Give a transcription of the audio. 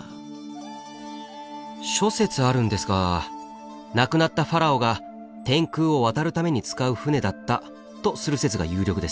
諸説あるんですが亡くなったファラオが天空を渡るために使う船だったとする説が有力です。